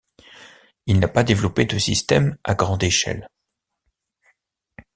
Il n'a pas développé de système à grande échelle.